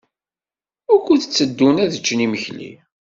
Wukud tteddun ad ččen imekli?